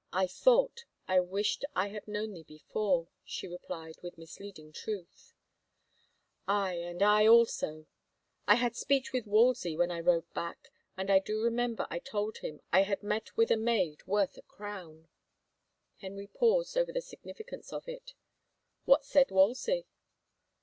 " I thought — I wished I had known thee before," she replied with misleading truth. " Aye, and I, also. I had speech with Wolsey when 162 IN HEVER CASTLE I rode back, and I do remember I told him I had met with a maid worth a crown." Henry paused over the significance of it. "What said Wolsey?"